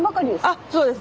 あっそうです。